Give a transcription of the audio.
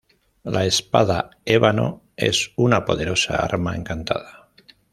La Espada Ébano es una poderosa arma encantada.